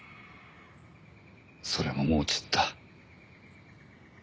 それももう散った。